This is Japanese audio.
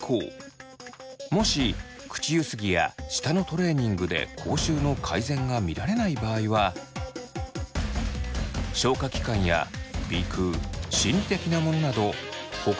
もし口ゆすぎや舌のトレーニングで口臭の改善が見られない場合は消化器官や鼻腔心理的なものなどほかの原因による可能性があります。